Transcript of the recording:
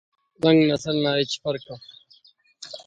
رنگ نسل نا ہچ فرق اف